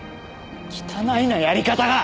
汚いなやり方が！